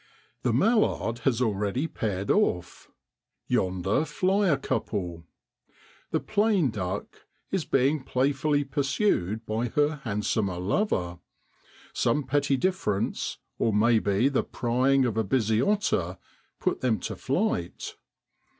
The mallard has already paired off. Yonder fly a couple. The plain duck is being playfully pursued by her handsomer lover: some petty difference, or maybe the prying of a busy otter, put them to flight.